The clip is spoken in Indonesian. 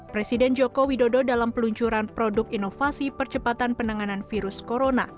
presiden joko widodo dalam peluncuran produk inovasi percepatan penanganan virus corona